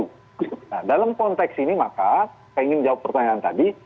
nah dalam konteks ini maka saya ingin jawab pertanyaan tadi